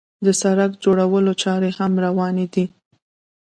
د سړک جوړولو چارې هم روانې دي.